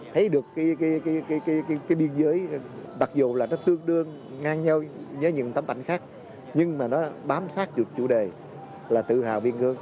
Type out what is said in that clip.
thấy được cái biên giới đặc dù là nó tương đương ngang nhau với những tấm ảnh khác nhưng mà nó bám sát được chủ đề là tự hào biên cương